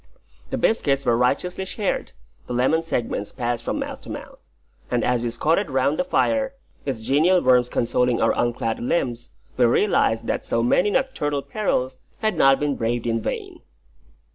The biscuits were righteously shared, the lemon segments passed from mouth to mouth; and as we squatted round the fire, its genial warmth consoling our unclad limbs, we realised that so many nocturnal perils had not been braved in vain.